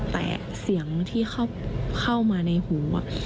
แต่เสียงที่เข้ามาในหู